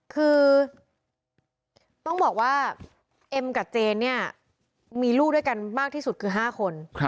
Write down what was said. คือต้องบอกว่าเอ็มกับเจนเนี่ยมีลูกด้วยกันมากที่สุดคือ๕คน